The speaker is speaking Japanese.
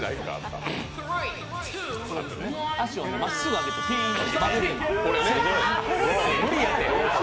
足をまっすぐ上げてピーンと。